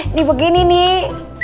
ini begini nih